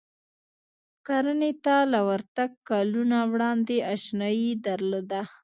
کرنې ته له ورتګ کلونه وړاندې اشنايي درلوده.